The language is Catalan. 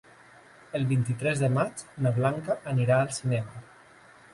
El vint-i-tres de maig na Blanca anirà al cinema.